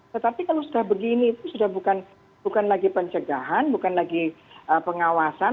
tetapi kalau sudah begini itu sudah bukan lagi pencegahan bukan lagi pengawasan